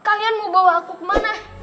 kalian mau bawa aku kemana